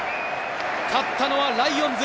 勝ったのはライオンズ。